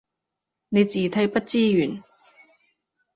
你字體不支援